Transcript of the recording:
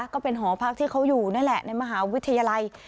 ก็เป็นหอพักที่เขาอยู่นั่นแหละในมหาวิทยาลัย